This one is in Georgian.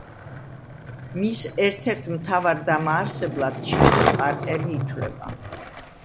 მის ერთ-ერთ მთავარ დამაარსებლად ჩარლი პარკერი ითვლება.